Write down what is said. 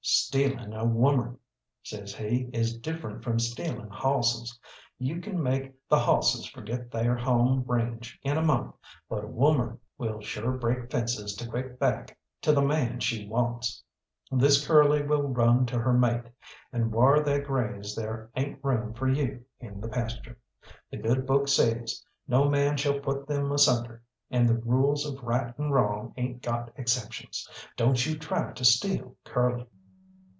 "Stealin' a womern," says he, "is different from stealin' hawsses. You can make the hawsses forget theyr home range in a month, but a womern will sure break fences to quit back to the man she wants. This Curly will run to her mate, and whar they graze there ain't room for you in the pasture. The good Book says: 'No man shall put them asunder,' and the rules of Right and Wrong ain't got exceptions. Don't you try to steal Curly."